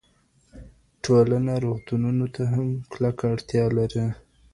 ټولنه روغتونونو ته هم کلکه اړتیا لري.